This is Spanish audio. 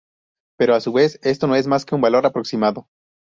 Pero a su vez esto no es más que un valor aproximado.